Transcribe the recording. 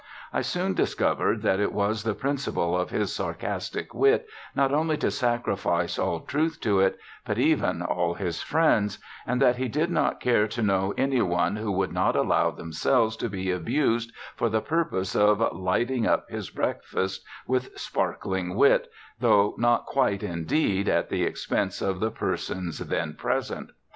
I soon discovered that it was the principle of his sarcastic wit not only to sacrifice all truth to it, but even all his friends, and that he did not care to know any who would not allow themselves to be abused for the purpose of lighting up his breakfast with sparkling wit, though not quite, indeed, at the expense of the persons then present.